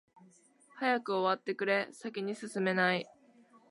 早く終わってくれ、先に進めない。